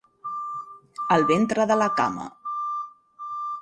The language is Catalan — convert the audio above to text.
El ventre de la cama.